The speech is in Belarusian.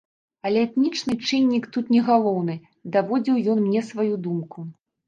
Але этнічны чыннік тут не галоўны, даводзіў ён мне сваю думку.